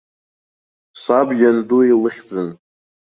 Саб ианду илыхьӡын.